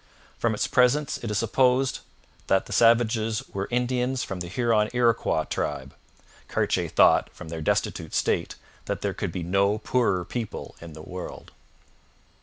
From its presence it is supposed that the savages were Indians of the Huron Iroquois tribe. Cartier thought, from their destitute state, that there could be no poorer people in the world.